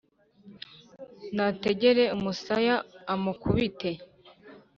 Nategere umusaya umukubita,